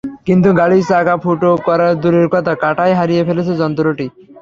কিন্তু গাড়ির চাকা ফুটো করা দূরের কথা, কাঁটাই হারিয়ে ফেলেছে যন্ত্রটি।